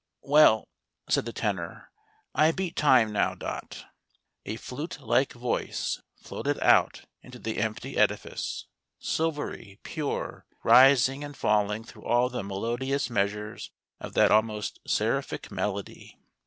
"Well," said the Tenor, " I beat time — now. Dot." A flute like voice float ed out into the empty ediflce, silvery, pure, rising and falling through all the me lodious measures of that almost seraphic melody.